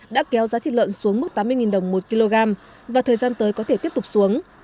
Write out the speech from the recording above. đã kéo giá thịt lợn xuống mức tám mươi đồng một kg và thời gian tới có thể tiếp tục xuống